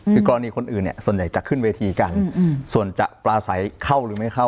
คือกรณีคนอื่นเนี่ยส่วนใหญ่จะขึ้นเวทีกันส่วนจะปลาใสเข้าหรือไม่เข้า